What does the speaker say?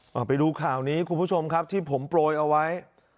เอาไปดูข่าวนี้คุณผู้ชมครับที่ผมโปรยเอาไว้